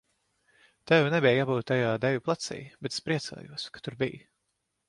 Tev nebija jābūt tajā deju placī, bet es priecājos, ka tur biji.